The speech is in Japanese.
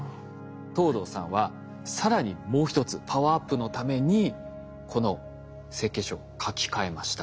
藤堂さんは更にもう１つパワーアップのためにこの設計書を書き換えました。